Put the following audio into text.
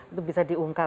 itu bisa diukur